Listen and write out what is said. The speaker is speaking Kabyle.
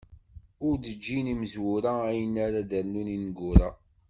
Ur d-ǧǧin imezwura ayen ara ad rnun ineggura.